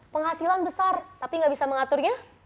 penghasilan besar tapi nggak bisa mengaturnya